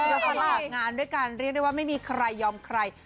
เราสมัครงานด้วยกันเรียกได้ว่าไม่มีใครยอมใคร